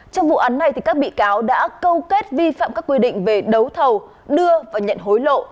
trong vụ án này các bị cáo đã câu kết vi phạm các quy định về đấu thầu đưa và nhận hối lộ